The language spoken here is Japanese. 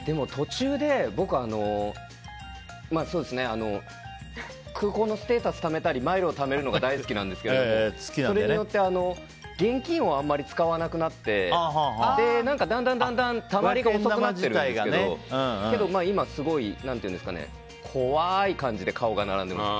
僕、空港のステータスとかマイルをためるのが大好きなんですけど、それによって現金を使わなくなってだんだんたまりが遅くなっているんですけどけど、今はすごい怖い感じで顔が並んでいます。